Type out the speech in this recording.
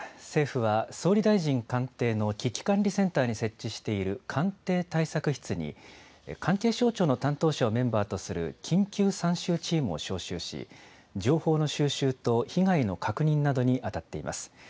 政府は、総理大臣官邸の危機管理センターに設置している官邸対策室に、関係省庁の担当者をメンバーとする緊急参集チームを招集し、情報の収集と被害の確認などに当たっています。